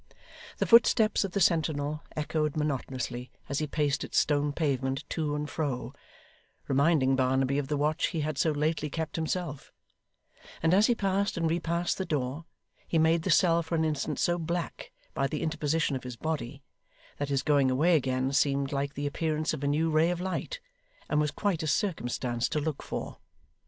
The footsteps of the sentinel echoed monotonously as he paced its stone pavement to and fro (reminding Barnaby of the watch he had so lately kept himself); and as he passed and repassed the door, he made the cell for an instant so black by the interposition of his body, that his going away again seemed like the appearance of a new ray of light, and was quite a circumstance to look for.